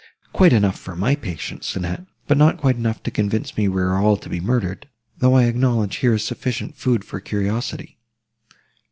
"Quite enough for my patience, Annette, but not quite enough to convince me we are all to be murdered, though I acknowledge here is sufficient food for curiosity."